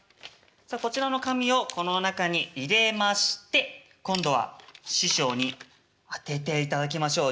さあこちらの紙をこの中に入れまして今度は師匠に当てていただきましょう。